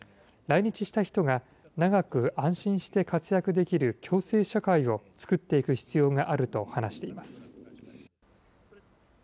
来日した人が長く安心して活躍できる共生社会を作っていく必要があると話しています。